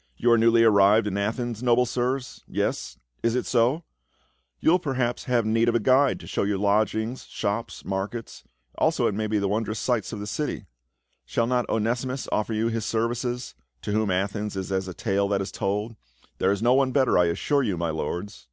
" You are newly arrived in Athens, noble sirs ? Yes — it is so ? You will per haps have need of a guide to show you lodgings, shops, markets, also it may be the wondrous sights of the city ? Shall not Onesimus offer you his services, to whom Athens is as a tale that is told ; there is no one better, I assure you, my lords."